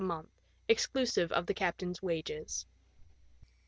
a month, exclusive of the captain's wages.